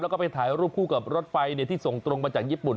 แล้วก็ไปถ่ายรูปคู่กับรถไฟที่ส่งตรงมาจากญี่ปุ่น